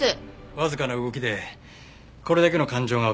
わずかな動きでこれだけの感情がわかるんですね。